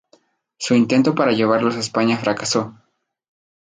Su intento para llevarlos a España fracasó.